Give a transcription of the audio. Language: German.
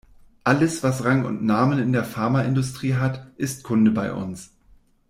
Alles, was Rang und Namen in der Pharmaindustrie hat, ist Kunde bei uns.